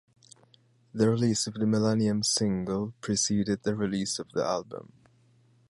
The release of the "Millennium" single preceded the release of the album.